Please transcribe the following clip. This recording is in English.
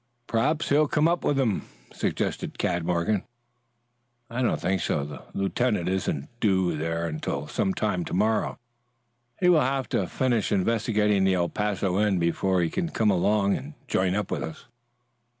"Perhaps he's come up with Withem," suggested Cad Morgan. "I don't think so. The lieutenant isn't due there until some time to morrow. He will have to finish investigating the El Paso end before he can come along and join up with us."